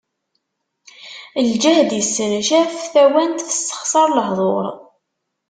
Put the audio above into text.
Lǧehd issencaf, tawant tessexsaṛ lehduṛ.